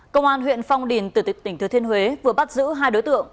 công an huyện phong điền từ tỉnh thừa thiên huế vừa bắt giữ hai đối tượng